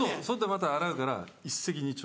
また洗うから一石二鳥。